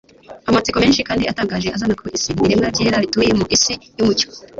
Amatsiko menshi kandi atangaje azana ku isi ibiremwa byera bituye mu isi y'umucyo.